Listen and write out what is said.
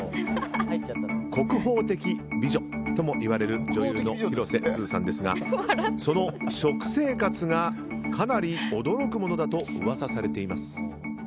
国宝的美女ともいわれる女優の広瀬すずさんですがその食生活がかなり驚くものだと噂されています。